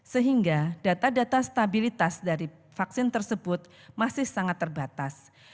sehingga data data stabilitas dari vaksin tersebut masih sangat terbatas